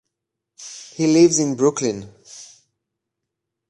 He lives in Brooklyn.